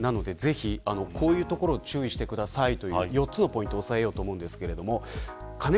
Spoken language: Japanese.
今日は、なのでぜひこういうところに注意してくださいという４つのポイントを押さえます。